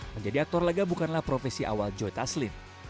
menjadi aktor laga bukanlah profesi awal joy taslim